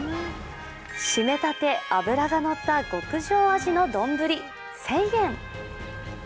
締めたて、脂がのった極上あじの丼１０００円。